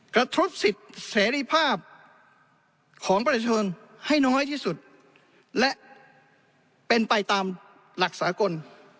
กระทบสิทธิ์เสรีภาพของประชาชนให้น้อยที่สุดและเป็นไปตามหลักสากล